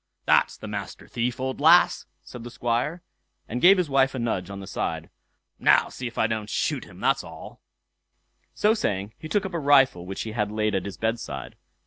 "That's the Master Thief, old lass!" said the Squire, and gave his wife a nudge on the side. "Now see if I don't shoot him, that's all." So saying he took up a rifle which he had laid at his bedside.